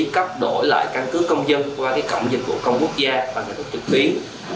cấp đổi lại căn cước công dân qua cổng dịch vụ công quốc gia bằng hệ thống trực tuyến